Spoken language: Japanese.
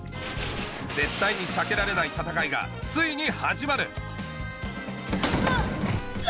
絶対に避けられない戦いがついに始まる蘭！